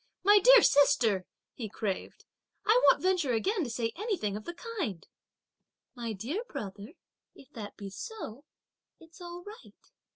"My dear sister," he craved, "I won't venture again to say anything of the kind" "My dear brother, if that be so, it's all right!"